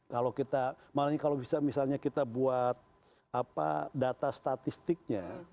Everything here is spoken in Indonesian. kalau kita malah kalau misalnya kita buat data statistiknya